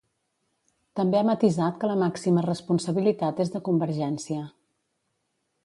També ha matisat que la màxima responsabilitat és de Convergència.